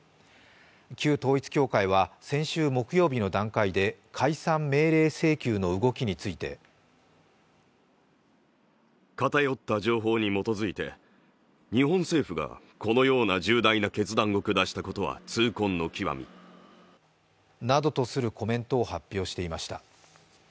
旧統一教会は先週木曜日の段階で解散命令請求の動きについてなどとするコメントを発表していました。